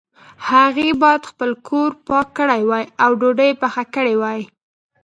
هغې باید خپل کور پاک کړی وای او ډوډۍ یې پخې کړي وای